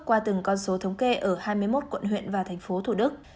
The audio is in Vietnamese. qua từng con số thống kê ở hai mươi một quận huyện và thành phố thủ đức